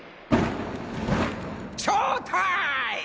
ショータイム！